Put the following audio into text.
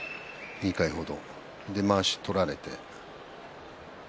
２回程、それでまわしを取られて。